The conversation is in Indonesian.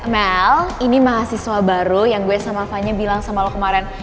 mel ini mahasiswa baru yang gue sama fanya bilang sama lo kemarin